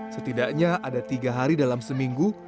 setidaknya ada tiga hari dalam seminggu